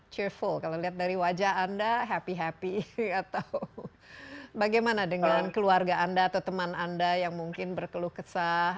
churful kalau lihat dari wajah anda happy happy atau bagaimana dengan keluarga anda atau teman anda yang mungkin berkeluh kesah